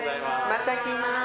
また来ます。